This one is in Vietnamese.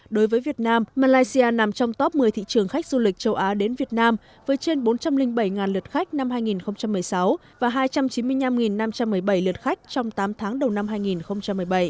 đối với việt nam malaysia nằm trong top một mươi thị trường khách du lịch châu á đến việt nam với trên bốn trăm linh bảy lượt khách năm hai nghìn một mươi sáu và hai trăm chín mươi năm năm trăm một mươi bảy lượt khách trong tám tháng đầu năm hai nghìn một mươi bảy